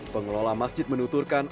pengelola masjid menuturkan